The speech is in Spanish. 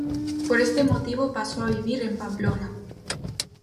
Por este motivo pasó a vivir en Pamplona.